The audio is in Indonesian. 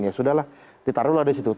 ya sudah lah ditaruh lah di situ